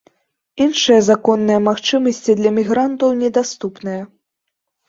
Іншыя законныя магчымасці для мігрантаў не даступныя.